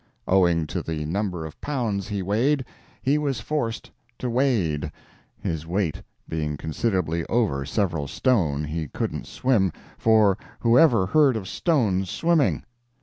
Owing to the number of pounds he weighed, he was forced to wade—his weight being considerably over several stone he couldn't swim, for who ever heard of stones swimming.